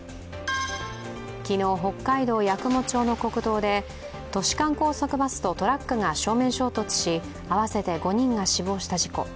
昨日、北海道八雲町の国道で都市間高速バスとトラックが正面衝突し、合わせて５人が死亡した事故。